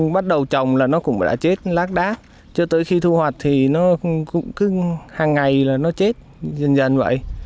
bắt đầu trồng là nó cũng đã chết lác đác cho tới khi thu hoạch thì nó cũng cứ hàng ngày là nó chết dần dần vậy